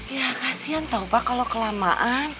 ya kasian tahu pak kalau kelamaan